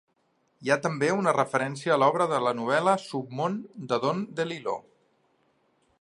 Hi ha també una referència a l'obra a la novel·la "Submon" de Don DeLillo.